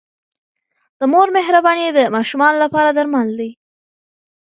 د مور مهرباني د ماشومانو لپاره درمل دی.